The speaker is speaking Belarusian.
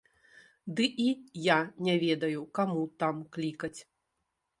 Ды і я не ведаю, каму там клікаць.